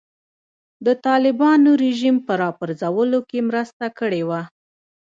د طالبانو رژیم په راپرځولو کې مرسته کړې وه.